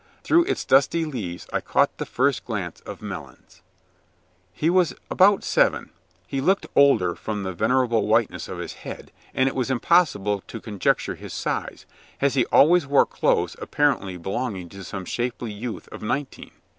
Through its dusty leaves I caught the first glance of Melons. His age was about seven. He looked older from the venerable whiteness of his head, and it was impossible to conjecture his size, as he always wore clothes apparently belonging to some shapely youth of nineteen.